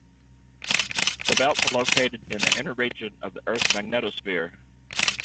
The belts are located in the inner region of the Earth's magnetosphere.